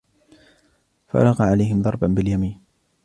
فَرَاغَ عَلَيْهِمْ ضَرْبًا بِالْيَمِينِ